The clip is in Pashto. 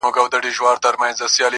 د سپي دا وصیت مي هم پوره کومه,